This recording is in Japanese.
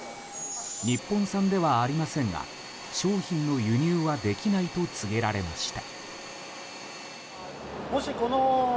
日本産ではありませんが商品の輸入はできないと告げられました。